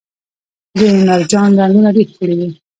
د مرجان رنګونه ډیر ښکلي دي